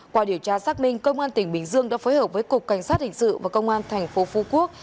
qua điều tra xác minh công an tỉnh bình dương đã phối hợp với cục cảnh sát hình sự và công an tp phu quốc